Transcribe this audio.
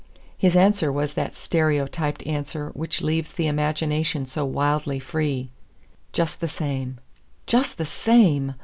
His answer was that stereotyped answer which leaves the imagination so wildly free, "Just the same." Just the same!